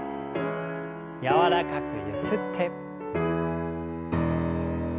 柔らかくゆすって。